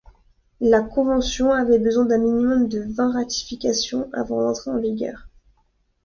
La Convention avait besoin d’un minimum de vingt ratifications avant d’entrer en vigueur.